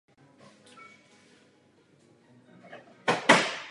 Ulice byla pojmenována podle bývalé městské brány Montmartre.